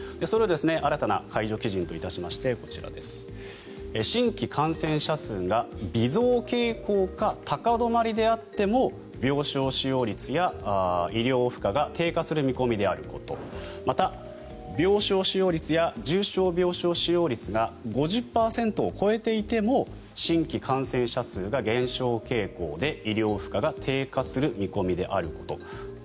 それを新たな解除基準といたしまして新規感染者数が微増傾向か高止まりであっても病床使用率や医療負荷が低下する見込みであることまた病床使用率や重症病床使用率が５０％を超えていても新規感染者数が減少傾向で